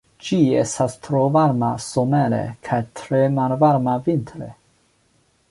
Ĝi estas tro varma somere kaj tre malvarma vintre.